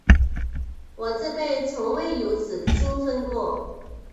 我这辈子从未如此兴奋过。